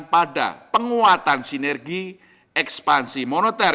pada penguatan sinergi ekspansi moneter